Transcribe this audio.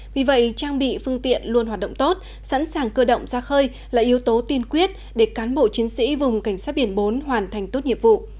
vì vậy trang bị phương tiện luôn hoạt động tốt sẵn sàng cơ động ra khơi là yếu tố tiên quyết để cán bộ chiến sĩ vùng cảnh sát biển bốn hoàn thành tốt nhiệm vụ